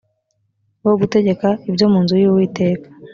bo gutegeka ibyo mu nzu y uwiteka